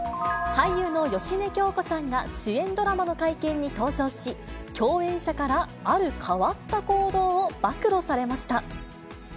俳優の芳根京子さんが、主演ドラマの会見に登場し、共演者から、ある変わった行動を暴露されました。